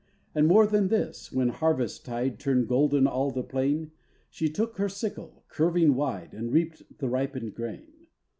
And more than this, when harvest tide Turned golden all the plain, She took her sickle, curving wide, And reaped the ripened grain.